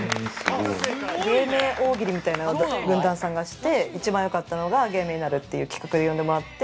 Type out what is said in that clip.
芸名大喜利みたいのを軍団さんがして、一番よかったのが芸名になるっていう企画で呼んでもらって。